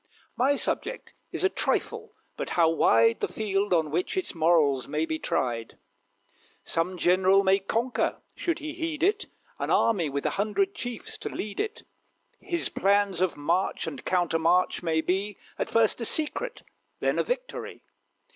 My subject is a trifle; but how wide The field on which its morals may be tried! Some general may conquer, should he heed it, An army with a hundred chiefs to lead it. His plans of march and counter march may be At first a secret, then a victory.